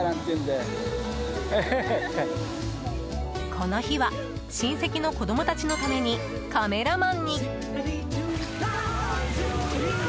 この日は親戚の子供たちのためにカメラマンに。